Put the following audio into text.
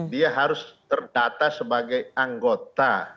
dia harus terdata sebagai anggota